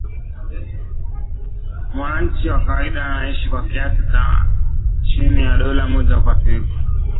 Mwananchi wa kawaida anaishi kwa kiasi cha chini ya dola moja kwa siku